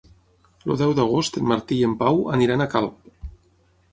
El deu d'agost en Martí i en Pau aniran a Calp.